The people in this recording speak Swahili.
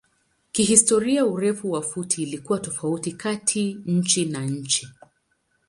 Kihistoria urefu wa futi ilikuwa tofauti kati nchi na nchi.